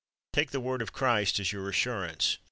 Take the word of Christ as your assurance.